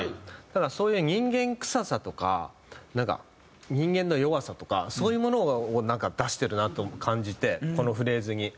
だからそういう人間臭さとかなんか人間の弱さとかそういうものをなんか出してるなと感じてこのフレーズに。